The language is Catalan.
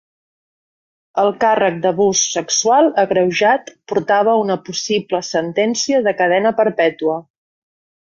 El càrrec d'abús sexual agreujat portava una possible sentència de cadena perpètua.